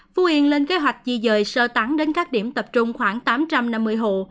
phú yên lên kế hoạch di dời sơ tán đến các điểm tập trung khoảng tám trăm năm mươi hộ